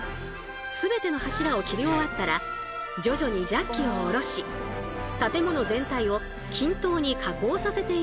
全ての柱を切り終わったら徐々にジャッキを降ろし建物全体を均等に下降させていくんです。